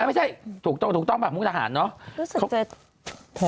ไม่ใช่ถูกต้องแบบมุมตะหารเนอะ